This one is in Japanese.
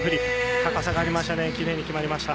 高さがありました。